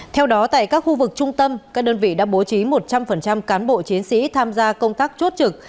theo đó tại các khu vực trung tâm các đơn vị đã bố trí một trăm linh cán bộ chiến sĩ tham gia công tác chốt trực